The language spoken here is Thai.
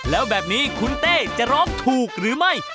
แล้วแบบนี้คุณเต้จะร้องถูกหรือไม่